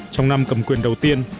trong năm cầm quyền đầu tiên